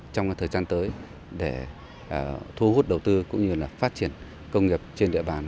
trong thời gian tới để thu hút đầu tư cũng như là phát triển công nghiệp trên địa bàn